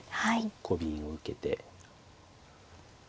コビンを受けて。